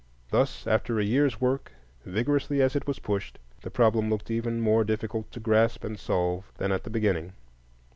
Thus, after a year's work, vigorously as it was pushed, the problem looked even more difficult to grasp and solve than at the beginning.